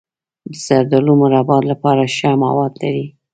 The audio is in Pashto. زردالو د مربا لپاره ښه مواد لري.